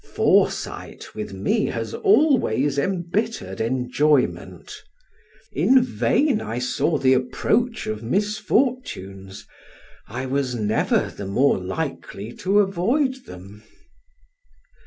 Foresight with me has always embittered enjoyment; in vain I saw the approach of misfortunes, I was never the more likely to avoid them.